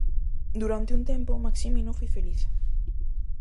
Durante un tempo Maximino foi feliz.